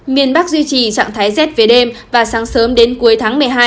miền bắc duy trì trạng thái rét về đêm và sáng sớm đến cuối tháng một mươi hai